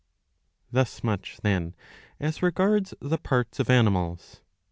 Thus much then as regards the parts of animals.